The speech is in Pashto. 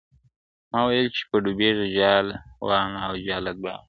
ما ویل چي به ډوبيږي جاله وان او جاله دواړه -